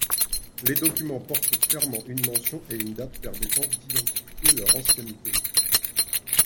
Les documents portent clairement une mention et une date permettant d'identifier leur ancienneté.